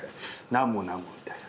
「なんもなんも」みたいな。